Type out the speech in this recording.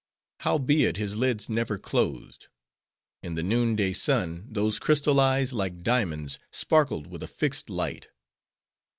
Howbeit, his lids never closed; in the noonday sun, those crystal eyes, like diamonds, sparkled with a fixed light.